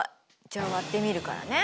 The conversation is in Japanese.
じゃあ割ってみるからね。